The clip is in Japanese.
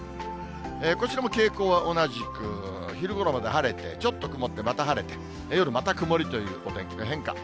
こちらも傾向は同じく、昼ごろまで晴れて、ちょっと曇って、また晴れて、夜また曇りというお天気の変化。